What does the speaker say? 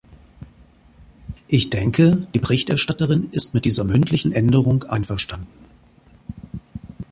Ich denke, die Berichterstatterin ist mit dieser mündlichen Änderung einverstanden.